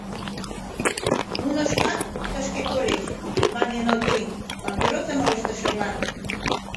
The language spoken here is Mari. — Нуно шкак тышке тольыч, — мане Ноздрин папиросым ылыжтышыжла.